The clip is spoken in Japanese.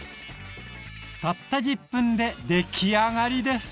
たった１０分で出来上がりです！